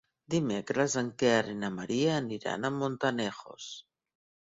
Dimecres en Quer i na Maria aniran a Montanejos.